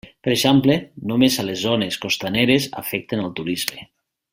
Per exemple només a les zones costaneres afecten el turisme.